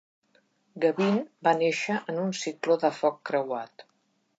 Gavin va néixer en un cicló de foc creuat.